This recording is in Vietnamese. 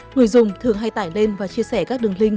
người dùng thường hay tải lên và chia sẻ các đường link